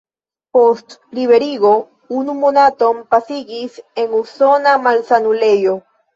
Post liberigo unu monaton pasigis en usona malsanulejo.